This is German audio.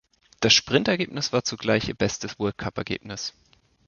Das Sprint-Ergebnis war zugleich ihr bestes Weltcup-Ergebnis.